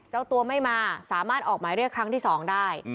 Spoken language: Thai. เจ้าตัวไม่มาสามารถออกหมายเรียกครั้งที่๒ได้